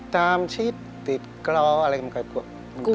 ตามชิดติดกล้ออะไรมันกลัว